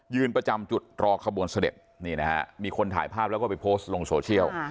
ประจำจุดรอขบวนเสด็จนี่นะฮะมีคนถ่ายภาพแล้วก็ไปโพสต์ลงโซเชียล